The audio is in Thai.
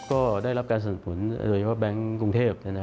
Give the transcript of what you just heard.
ก็ได้รับการสนับสนุนโดยเฉพาะแบงค์กรุงเทพ